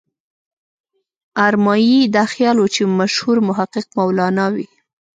ارمایي دا خیال و چې مشهور محقق مولانا وي.